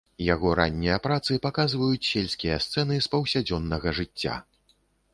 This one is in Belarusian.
Яго раннія працы паказваюць сельскія сцэны з паўсядзённага жыцця.